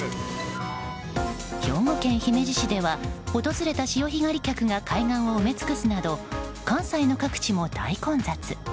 兵庫県姫路市では訪れた潮干狩り客が海岸を埋め尽くすなど関西の各地も大混雑。